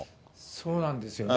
そうなんですよね。